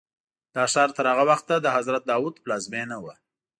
دا ښار تر هغه وخته د حضرت داود پلازمینه وه.